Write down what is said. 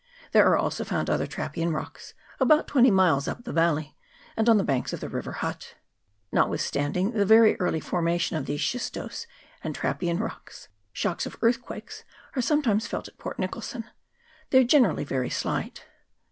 There are also found other trappean rocks about twenty miles up the valley, and on the banks of the river Hutt. Notwithstanding the very early formation of these schistous and trappean rocks, shocks of earthquakes are sometimes felt at Port Nicholson. They are generally very slight.